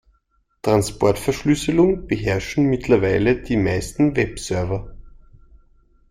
Transportverschlüsselung beherrschen mittlerweile die meisten Webserver.